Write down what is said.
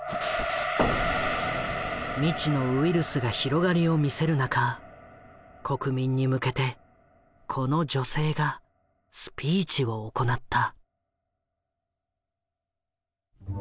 未知のウイルスが広がりを見せる中国民に向けてこの女性がスピーチを行った。